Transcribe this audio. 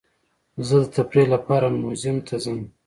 زه د تفریح لپاره میوزیم ته ځم.